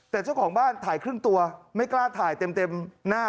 แต่เจ้าของบ้านถ่ายครึ่งตัวไม่กล้าถ่ายเต็มหน้า